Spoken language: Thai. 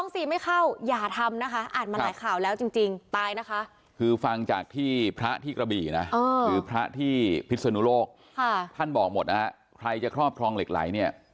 ท่านบอกหมดนะฮะใครจะครอบครองเหล็กไหลเนี่ย